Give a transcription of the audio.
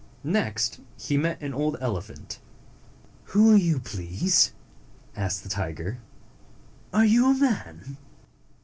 Next he met an old elephant. "Who are you, please?" asked the tiger. "Are you a man?"